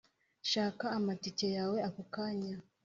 shaka amatike yawe ako kanya